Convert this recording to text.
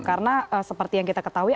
karena seperti yang kita ketahui